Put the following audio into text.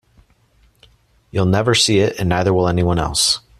You'll never see it and neither will anyone else.